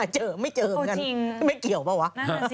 เจอไม่เจอกันไม่เกี่ยวหรอกวะ